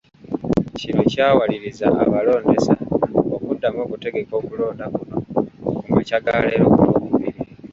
Kino kyawaliriza abalondesa okuddamu okutegeka okulonda kuno ku makya ga leero ku Lwokubiri.